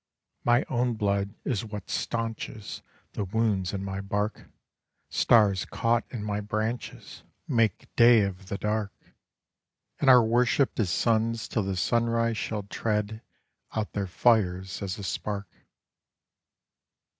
My own blood is what stanches The wounds in my bark; Stars caught in my branches Make day of the dark, And are worshipped as suns till the sunrise shall tread out their fires as a spark.